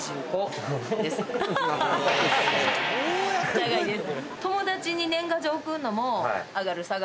長いです。